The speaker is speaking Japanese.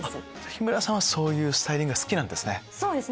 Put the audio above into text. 日村さんはそういうスタイリング好きなんですね。